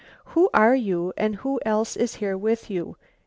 "Who are you and who else is here with you?"